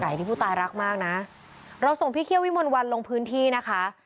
ที่ผู้ตายรักมากนะเราส่งพี่เคี่ยววิมลวันลงพื้นที่นะคะ